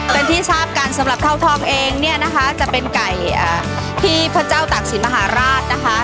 เป็นที่ทราบกันสำหรับเท่าทองเองเนี่ยนะคะจะเป็นไก่ที่พระเจ้าตากศิลปมหาราชนะคะ